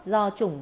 do chủng bệnh